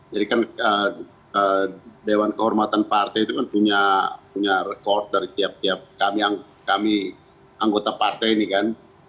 jadi kan dewan kehormatan partai itu kan punya rekod dari tiap tiap kami anggota partai ini kan